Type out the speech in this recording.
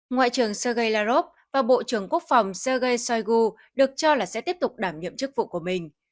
ngoại trưởng sergei lavrov và bộ trưởng quốc phòng sergei shoigu được cho là sẽ tiếp tục đảm nhiệm chức vụ của mình